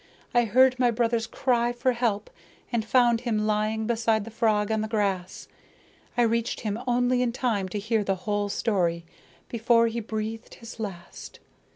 I heard my brother's cry for help, and found him lying beside the frog on the grass. I reached him only in time to hear the whole story before he breathed his last.